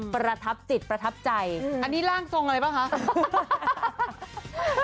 ประทับจิตประทับใจอันนี้ร่างทรงอะไรป่ะคะ